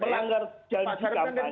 pelanggar jalan jalan jalan